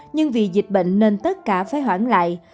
nhưng vì dịch bệnh nên tất cả phải hoãn lại